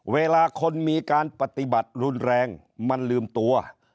เวลาคนมีการปฏิบัติรุนแรงมันลืมตัว